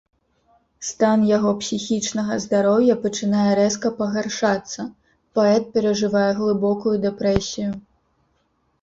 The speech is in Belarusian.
Стан яго псіхічнага здароўя пачынае рэзка пагаршацца, паэт перажывае глыбокую дэпрэсію.